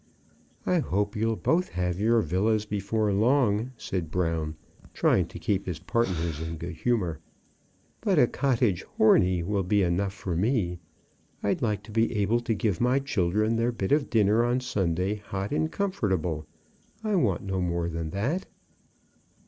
"I hope you'll both have your willas before long," said Brown, trying to keep his partners in good humour. "But a cottage horney will be enough for me. I'd like to be able to give my children their bit of dinner on Sunday hot and comfortable. I want no more than that."